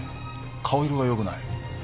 顔色がよくない。